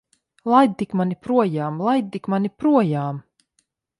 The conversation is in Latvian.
Laid tik mani projām! Laid tik mani projām!